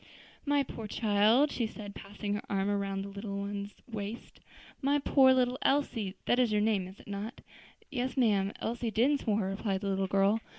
"My poor child," she said, passing her arm around the little one's waist, "my poor little Elsie! that is your name, is it not?" "Yes, ma'am; Elsie Dinsmore," replied the little girl.